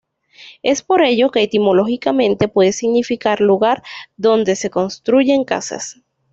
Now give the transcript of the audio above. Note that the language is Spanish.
Es por ello que etimológicamente puede significar "Lugar donde se construyen casas".